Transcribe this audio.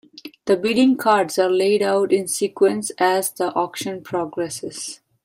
The bidding cards are laid out in sequence as the auction progresses.